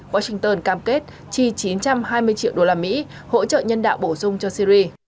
washington cam kết chi chín trăm hai mươi triệu usd hỗ trợ nhân đạo bổ sung cho syri